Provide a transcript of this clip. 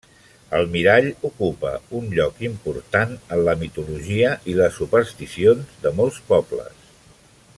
El mirall ocupa un lloc important en la mitologia i les supersticions de molts pobles.